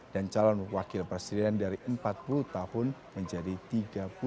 dan calon wakil presiden dari empat puluh tahun menjadi tiga puluh lima tahun